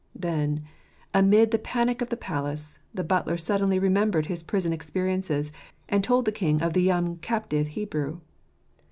Then, amid the panic of the palace, the butler suddenly remembered his prison experiences, and told the king of the young captive Hebrew.